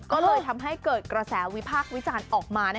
ก็เลยทำให้เกิดกระแสวิภาควิจารณ์ออกมานะค่ะ